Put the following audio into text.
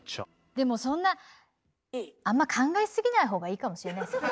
でもそんなあんま考えすぎないほうがいいかもしれないですよね。